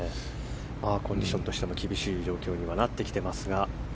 コンディションとしても厳しい状況になってきています。